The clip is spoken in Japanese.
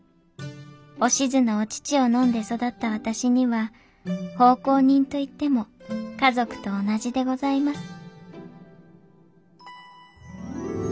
おしづのお乳を飲んで育った私には奉公人といっても家族と同じでございます